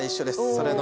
それの。